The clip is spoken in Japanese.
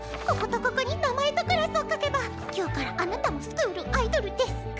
こことここに名前とクラスを書けば今日からあなたもスクールアイドルデス！